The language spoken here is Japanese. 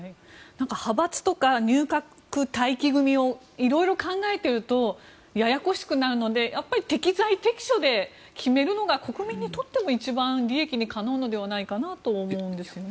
派閥とか入閣待機組を色々、考えているとややこしくなるのでやっぱり適材適所で決めるのが国民にとっても一番利益にかなうのかなと思うんですよね。